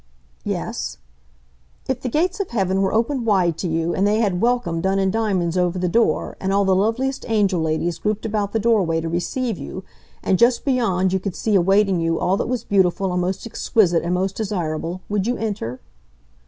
"Yes?" "If the gates of Heaven were opened wide to you, and they had 'Welcome!' done in diamonds over the door, and all the loveliest angel ladies grouped about the doorway to receive you, and just beyond you could see awaiting you all that was beautiful, and most exquisite, and most desirable, would you enter?"